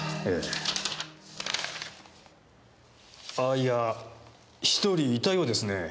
あいや１人いたようですね。